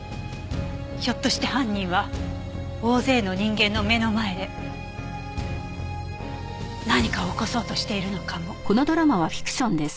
ひょっとして犯人は大勢の人間の目の前で何かを起こそうとしているのかも。